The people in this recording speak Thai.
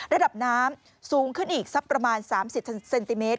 ระดับน้ำสูงขึ้นอีกสักประมาณ๓๐เซนติเมตร